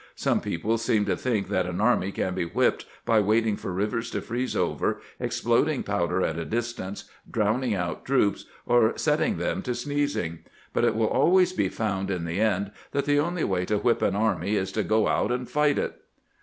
Some people seem to think that an army can be whipped by waiting for rivers to freeze over, exploding powder at a distance, drowning out troops, or setting them to sneezing ; but it will always be found in the end that the only way to whip an army is to go out and fight it."